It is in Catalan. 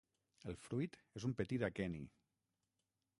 El fruit és un petit aqueni.